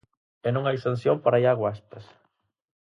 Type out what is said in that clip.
E non hai sanción para Iago Aspas.